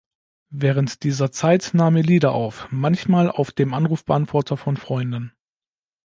Während dieser Zeit nahm er Lieder auf, manchmal auf dem Anrufbeantworter von Freunden.